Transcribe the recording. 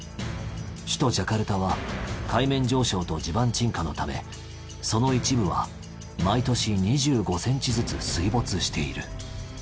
首都ジャカルタは海面上昇と地盤沈下のためその一部は毎年２５センチずつ水没している。